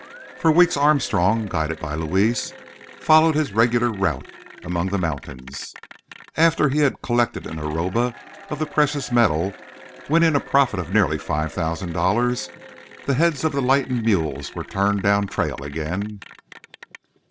For weeks Armstrong, guided by Luis, followed his regular route among the mountains. After he had collected an arroba of the precious metal, winning a profit of nearly $5,000, the heads of the lightened mules were turned down trail again.